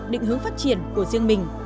định hướng phát triển của riêng mình